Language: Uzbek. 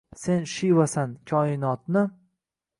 Sev Shivasan, koinotni